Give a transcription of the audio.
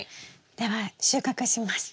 では収穫します。